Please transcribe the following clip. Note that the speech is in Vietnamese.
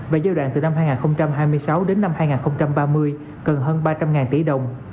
và giai đoạn từ năm hai nghìn hai mươi sáu đến năm hai nghìn ba mươi cần hơn ba trăm linh tỷ đồng